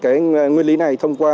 cái nguyên lý này thông qua